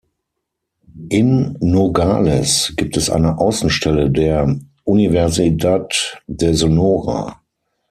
In Nogales gibt es eine Außenstelle der Universidad de Sonora.